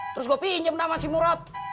terus gue pinjem sama si murad